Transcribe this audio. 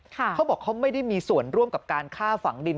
เขาบอกเขาไม่ได้มีส่วนร่วมกับการฆ่าฝังดิน